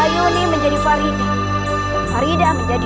ayuni menjadi faridah faridah menjadi